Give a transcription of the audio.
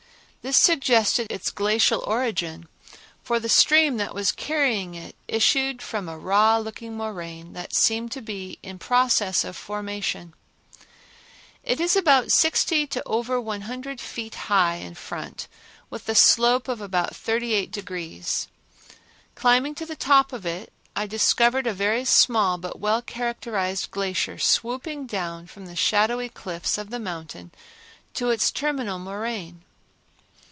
This suggested its glacial origin, for the stream that was carrying it issued from a raw looking moraine that seemed to be in process of formation. It is from sixty to over a hundred feet high in front, with a slope of about thirty eight degrees. Climbing to the top of it, I discovered a very small but well characterized glacier swooping down from the shadowy cliffs of the mountain to its terminal moraine.